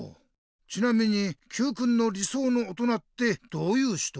ちなみにＱくんの理想の大人ってどういう人？